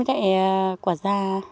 để quả già